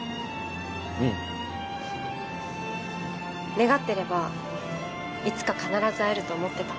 願ってればいつか必ず会えると思ってた。